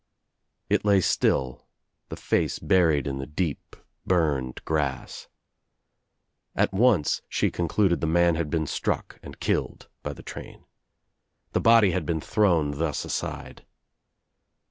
It lay still, the face buried in the deep burned grass. At once she concluded the man had been struck and killed by the train. The body had been thrown thus aside.